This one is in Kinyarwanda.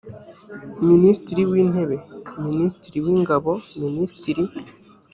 minisitiri w intebe minisitiri w ingabo minisitiri